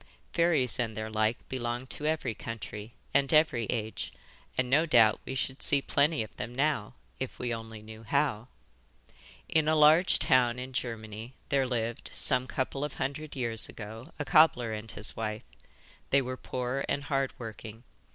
Fairies and their like belong to every country and every age, and no doubt we should see plenty of them now if we only knew how. In a large town in Germany there lived, some couple of hundred years ago, a cobbler and his wife. They were poor and hard working.